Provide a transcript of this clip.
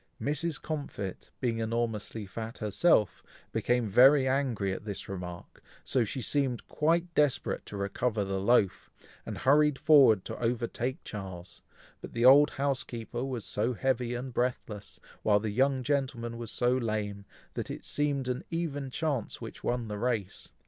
Mrs. Comfit, being enormously fat herself, became very angry at this remark, so she seemed quite desperate to recover the loaf, and hurried forward to overtake Charles, but the old housekeeper was so heavy and breathless, while the young gentleman was so lame, that it seemed an even chance which won the race.